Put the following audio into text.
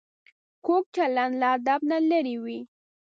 کوږ چلند له ادب نه لرې وي